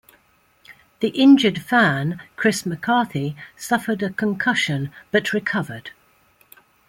The injured fan, Chris McCarthy, suffered a concussion but recovered.